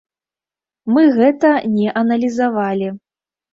Мы гэта не аналізавалі.